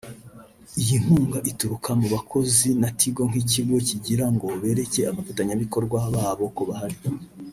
Iyi nkunga ituruka mu bakozi na Tigo nk’ikigo kugira ngo bereke abafatanyabikorwa babo ko bahari